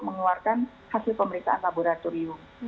mengeluarkan hasil pemeriksaan laboratorium